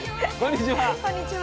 こんにちは。